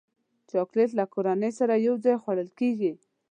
چاکلېټ له کورنۍ سره یوځای خوړل کېږي.